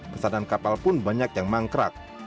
pesanan kapal pun banyak yang mangkrak